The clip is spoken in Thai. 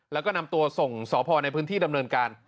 แล้วก็นำตัวส่งสพในพื้นที่ดำเนินการ